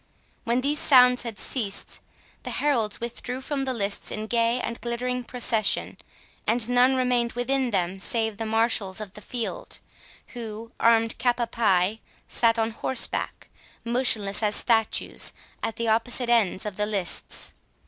When these sounds had ceased, the heralds withdrew from the lists in gay and glittering procession, and none remained within them save the marshals of the field, who, armed cap a pie, sat on horseback, motionless as statues, at the opposite ends of the lists.